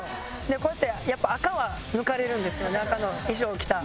「でこうやってやっぱ赤は抜かれるんですよね赤の衣装着た」